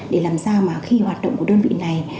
để làm sao mà khi hoạt động của đơn vị này